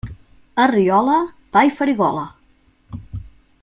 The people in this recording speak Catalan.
A Riola, pa i farigola.